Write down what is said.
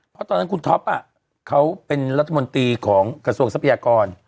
เพราะตอนนั้นคุณท็อปเขาเป็นรัฐมนตรีของกระทรวงทรัพยากร